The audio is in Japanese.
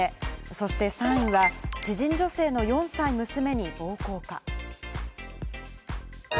そして３位は知人女性の４歳娘に暴行か。